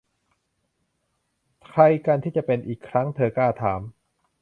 'ใครกันที่จะเป็นอีกครั้ง ?' เธอกล้าถาม